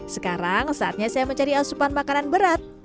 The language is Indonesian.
sekarang saatnya saya mencari asupan makanan berat